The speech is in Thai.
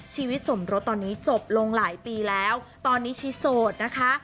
สมรสตอนนี้จบลงหลายปีแล้วตอนนี้ชิโสดนะคะ